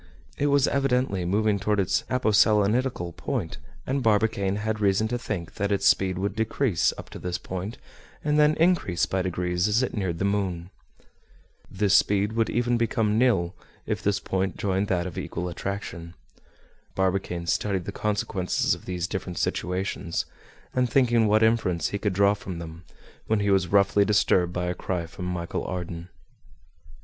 It was evidently moving toward its aposelenitical point; and Barbicane had reason to think that its speed would decrease up to this point, and then increase by degrees as it neared the moon. This speed would even become nil, if this point joined that of equal attraction. Barbicane studied the consequences of these different situations, and thinking what inference he could draw from them, when he was roughly disturbed by a cry from Michel Ardan.